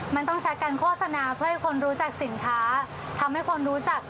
มันต้องใช้การโฆษณาเพื่อให้คนรู้จักสินค้าทำให้คนรู้จัก